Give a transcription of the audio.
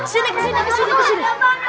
sini kesini kesini